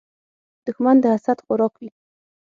دښمن د حسد خوراک وي